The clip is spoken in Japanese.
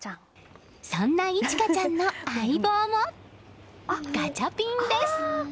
そんな唯愛ちゃんの相棒もガチャピンです。